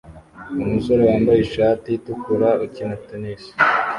Umusore wambaye ishati itukura ukina tennis